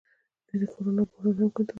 دوی د کرونا بحران هم کنټرول کړ.